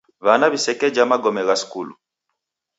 W'ana w'isekeja magome gha skulu.